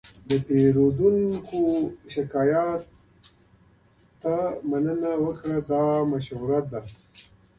د پیرودونکي شکایت ته مننه وکړه، دا مشوره ده.